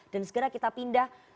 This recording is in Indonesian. dan segera kita pindah